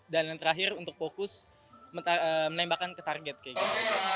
dan yang terakhir untuk fokus menembakkan ke target kayak gitu